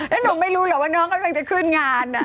แล้วหนูไม่รู้เหรอว่าน้องกำลังจะขึ้นงาน